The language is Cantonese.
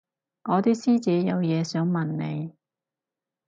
我啲師姐有嘢想問你